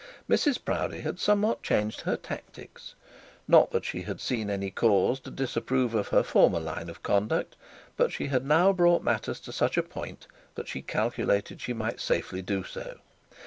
Mrs Proudie had somewhat changed her tactics; not that she had seen any cause to disapprove of her former line of conduct, but she had now brought matters to such a point that she calculated that she might safely do so.